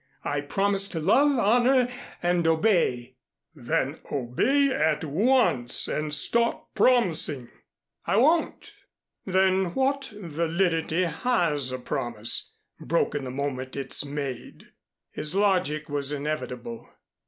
I promise to love, honor and obey " "Then obey at once and stop promising." "I won't " "Then what validity has a promise, broken the moment it's made?" His logic was inevitable.